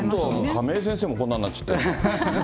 亀井先生も、こんなんなっちゃって。